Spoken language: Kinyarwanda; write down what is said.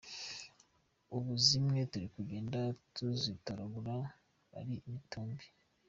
Ubu zimwe turi kugenda tuzitoragura ari imitumbi.